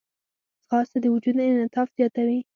ځغاسته د وجود انعطاف زیاتوي